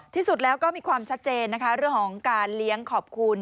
ที่สุดแล้วก็มีความชัดเจนนะคะเรื่องของการเลี้ยงขอบคุณ